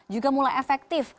juga mulai efektif